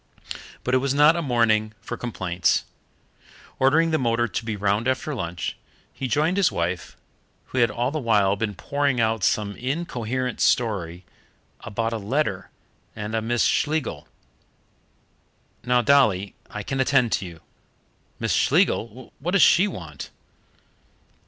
But it was not a morning for complaints. Ordering the motor to be round after lunch, he joined his wife, who had all the while been pouring out some incoherent story about a letter and a Miss Schlegel. "Now, Dolly, I can attend to you. Miss Schlegel? What does she want?"